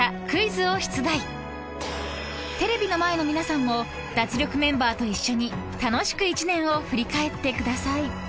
［テレビの前の皆さんも脱力メンバーと一緒に楽しく一年を振り返ってください］